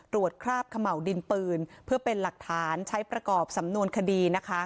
คราบเขม่าวดินปืนเพื่อเป็นหลักฐานใช้ประกอบสำนวนคดีนะคะ